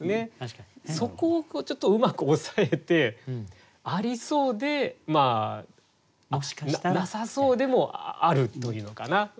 そこをちょっとうまく抑えてありそうでなさそうでもあるというのかな。